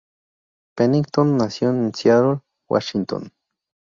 Pennington nació en Seattle, Washington.